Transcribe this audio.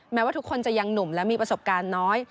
แม้ว่าทุกคนจะยังหนุ่มและมีประสบการณ์น้อย